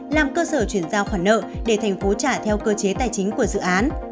làm cơ sở chuyển giao khoản nợ để thành phố trả theo cơ chế tài chính của dự án